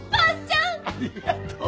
ありがとう。